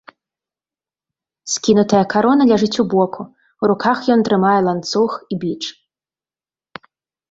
Скінутая карона ляжыць у боку, у руках ён трымае ланцуг і біч.